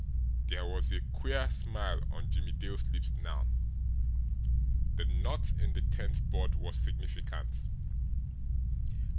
There was a queer smile on Jimmie Dale's lips now. The knot in the tenth board was significant!